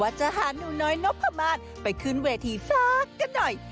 ว่าจะหานูน้อยโน่นพระมาศไปขึ้นเวทีฟ้ากันหน่อย